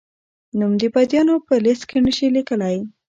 نوم د بندیانو په لېسټ کې نه شې لیکلای؟